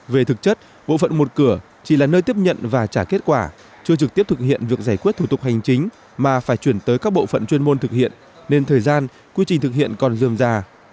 về thực chất bộ phận một cửa chỉ là nơi tiếp nhận và trả kết quả chưa trực tiếp thực hiện việc giải quyết thủ tục hành chính mà phải chuyển tới các bộ phận chuyên môn thực hiện nên thời gian quy trình thực hiện còn dườm già